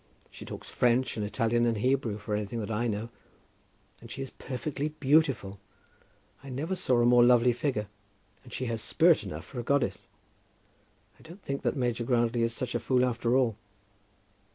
She talks French, and Italian, and Hebrew for anything that I know; and she is perfectly beautiful. I never saw a more lovely figure; and she has spirit enough for a goddess. I don't think that Major Grantly is such a fool after all."